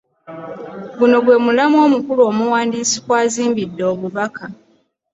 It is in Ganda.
Guno gwe mulamwa omukulu omuwandiisi kwazimbidde obubaka.